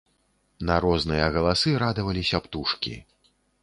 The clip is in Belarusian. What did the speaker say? На розныя галасы радаваліся птушкі.